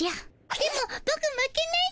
でもボク負けないですぅ。